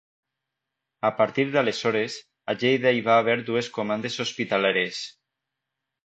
A partir d'aleshores, a Lleida hi va haver dues comandes hospitaleres.